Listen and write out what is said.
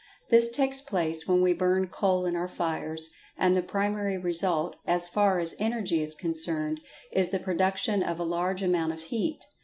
This takes place when[Pg 150] we burn coal in our fires, and the primary result, as far as energy is concerned, is the production of a large amount of heat.